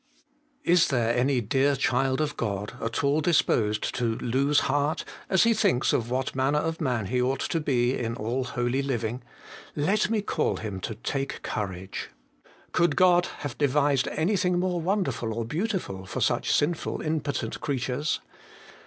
Is there any dear child of God at all disposed to lose heart as he thinks of what manner of man he ought to be in all holy living, let me call him to take courage. Could God have devised anything more wonderful or beautiful for such sinful, impotent creatures